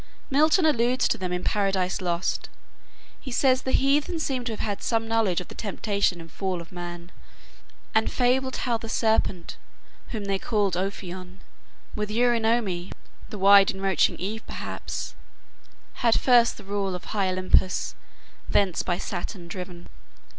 Milton alludes to them in "Paradise Lost." He says the heathens seem to have had some knowledge of the temptation and fall of man. "And fabled how the serpent, whom they called Ophion, with Eurynome, (the wide Encroaching Eve perhaps,) had first the rule Of high Olympus, thence by Saturn driven."